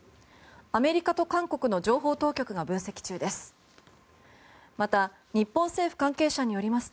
アメリカと韓国の情報当局が分析中です。